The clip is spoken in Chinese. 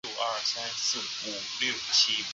乌特雷梅库尔。